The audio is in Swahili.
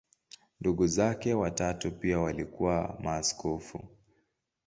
Ndugu zake watatu pia walikuwa maaskofu.